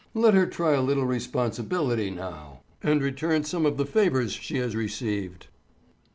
Let her try a little responsibility now, and return some of the favors she has received."